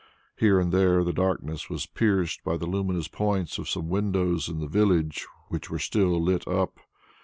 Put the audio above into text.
Here and there the darkness was pierced by the luminous points of some windows in the village which were still lit up.